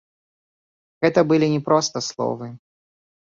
Гэта былі не проста словы.